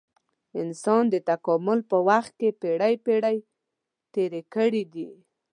انسان د تکامل په وخت کې پېړۍ پېړۍ تېرې کړې دي.